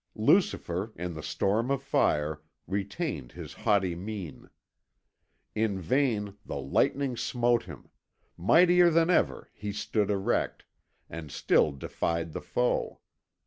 Lucifer, in the storm of fire, retained his haughty mien. In vain the lightning smote him; mightier than ever he stood erect, and still defied the foe.